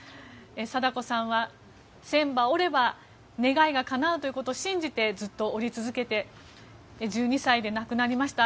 禎子さんは１０００羽折れば願いがかなうということを信じて、ずっと折り続けて１２歳で亡くなりました。